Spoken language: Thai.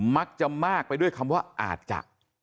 มักจะมากไปด้วยคำว่าอาจจะ